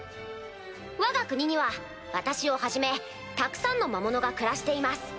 わが国には私をはじめたくさんの魔物が暮らしています。